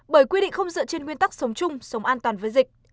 bởi quy định không dựa trên nguyên tắc sống chung sống an toàn với dịch